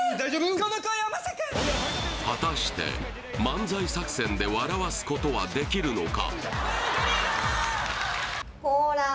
この声はまさか果たして漫才作戦で笑わすことはできるのか？